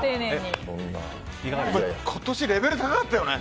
今年、レベル高かったよね。